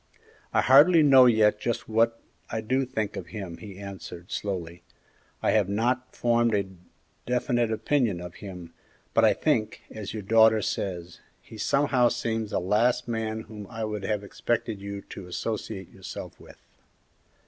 "I hardly know yet just what I do think of him," he answered, slowly; "I have not formed a definite opinion of him, but I think, as your daughter says, he somehow seems the last man whom I would have expected you to associate yourself with."